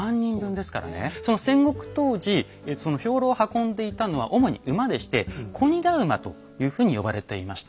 でその戦国当時その兵糧を運んでいたのは主に馬でして「小荷駄馬」というふうに呼ばれていました。